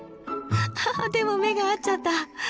ああでも目が合っちゃった！